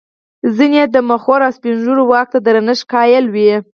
ځیني یې د مخورو او سپین ږیرو واک ته درنښت قایل وي.